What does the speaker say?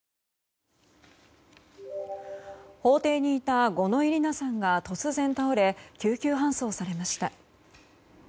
法廷にいた五ノ井里奈さんが突然倒れ救急搬送されました。